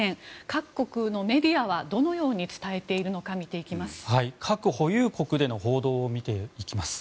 各国のメディアはどのように伝えているのか見ていきます。